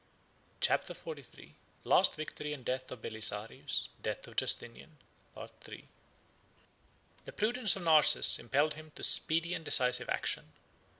] Chapter XLIII: Last Victory And Death Of Belisarius, Death Of Justinian.—Part III. The prudence of Narses impelled him to speedy and decisive action.